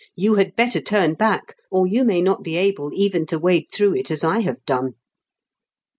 " You had better turn back, or you may not be able even to wade through it as I have done."